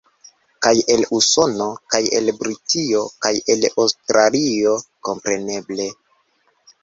Kaj el Usono, kaj el Britio, kaj el Aŭstralio, kompreneble.